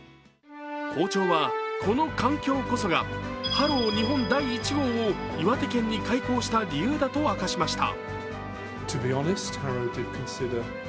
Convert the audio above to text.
校長は、この環境こそがハロウ日本第１号を岩手県に開校した理由だと明かしました。